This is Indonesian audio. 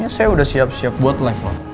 ya saya udah siap siap buat level